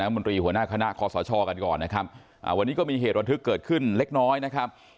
มนตรีหัวหน้าคณะคอสชกันก่อนนะครับวันนี้ก็มีเหตุระทึกเกิดขึ้นเล็กน้อยนะครับ